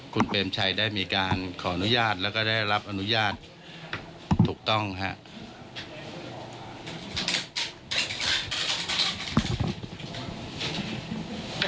คุณเปรมชัยได้มีการขออนุญาตแล้วก็ได้รับอนุญาตถูกต้องครับ